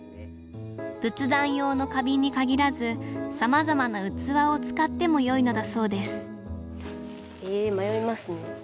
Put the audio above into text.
仏壇用の花瓶に限らずさまざまな器を使ってもよいのだそうですえ迷いますね。